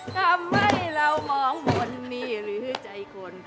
ทำให้เรามองบนนี้หรือใจคน